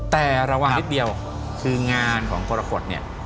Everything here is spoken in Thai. แต่ระหว่างนิดเดียวคืองานของโปรโลคตเนี่ย